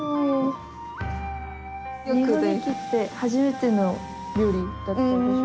日本に来て初めての料理だったでしょ